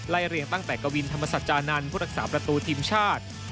เรียงตั้งแต่กวินธรรมสัจจานันทร์ผู้รักษาประตูทีมชาติ